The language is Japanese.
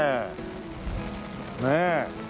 ねえ。